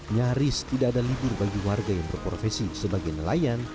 nyaris tidak ada libur bagi warga yang berprofesi sebagai nelayan